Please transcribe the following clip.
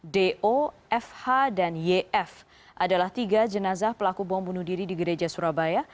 do fh dan yf adalah tiga jenazah pelaku bom bunuh diri di gereja surabaya